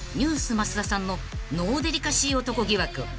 増田さんのノーデリカシー男疑惑］